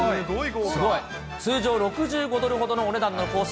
通常６５ドルほどのお値段のコース